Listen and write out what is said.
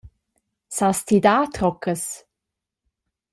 Sas ti dar troccas?